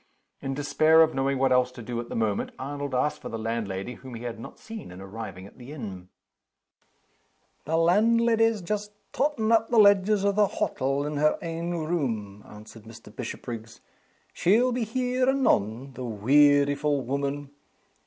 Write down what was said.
In despair of knowing what else to do at the moment, Arnold asked for the landlady, whom he had not seen on arriving at the inn. "The landleddy's just tottin' up the ledgers o' the hottle in her ain room," answered Mr. Bishopriggs. "She'll be here anon the wearyful woman!